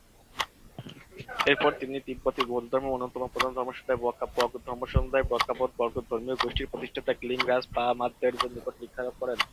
এরপর তিনি তিব্বতী বৌদ্ধধর্মের অন্যতম প্রধান ধর্মসম্প্রদায় ব্কা'-ব্র্গ্যুদ ধর্মসম্প্রদায়ের 'ব্রুগ-পা-ব্কা'-ব্র্গ্যুদ ধর্মীয় গোষ্ঠীর প্রতিষ্ঠাতা গ্লিং-রাস-পা-পাদ-মা-র্দো-র্জের নিকট শিক্ষালাভ করেন।